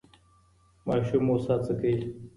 ماشوم اوس هڅه کوي.